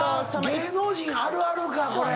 芸能人あるあるかこれ。